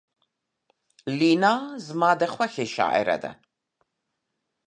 لینا زما د خوښې شاعره ده